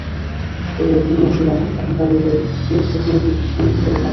তবে তুমি অবশ্য জান, এখানকার লোকে এরূপ ভদ্রলোকদের কিরূপ ভেবে থাকে।